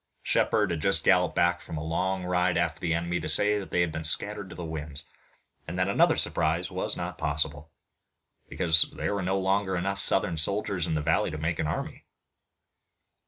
Shepard had just galloped back from a long ride after the enemy to say that they had been scattered to the winds, and that another surprise was not possible, because there were no longer enough Southern soldiers in the valley to make an army.